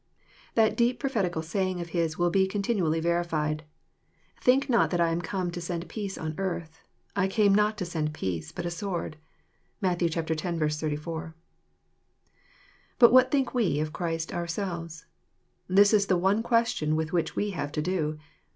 That deep, prophetical saying of His will be continually verified :" Think not that I am come to send peace on earth ; I came not to send peace, but a sword." (Matt. x. 84.) What think we of Christ ourselves? This is the one question with which we have to do.